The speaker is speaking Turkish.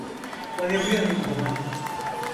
Bayılıyorum buna.